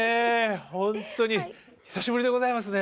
ほんとに久しぶりでございますね。